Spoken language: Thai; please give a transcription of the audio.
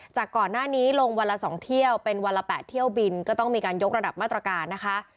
จากก่อนหน้านี้ลงวันละ๒เที่ยวเป็นวันละ๘เที่ยวบินก็ต้องมีการยกระดับมาตรการนะคะ